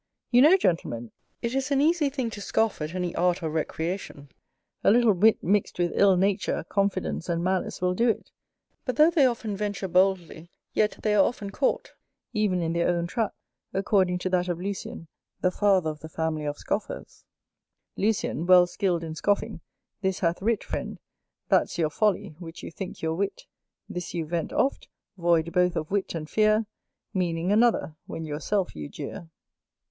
You know, Gentlemen, it is an easy thing to scoff at any art or recreation; a little wit mixed with ill nature, confidence, and malice, will do it; but though they often venture boldly, yet they are often caught, even in their own trap, according to that of Lucian, the father of the family of Scoffers: "_Lucian, well skilled in scoffing, this hath writ; Friend, that's your folly, which you think your wit: This, you vent oft, void both of wit and fear, Meaning another, when yourself you jeer.